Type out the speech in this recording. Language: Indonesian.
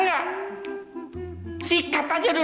ya sama tante